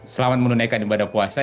selamat menunaikan ibadah puasa